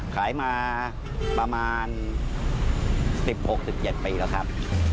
ขายมาประมาณ๑๖๑๗ปีแล้วครับ